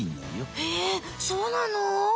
へえそうなの？